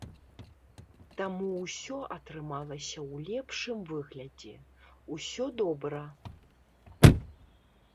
Таму ўсё атрымалася ў лепшым выглядзе, усё добра.